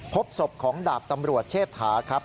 พบศพของดาบตำรวจเชษฐาครับ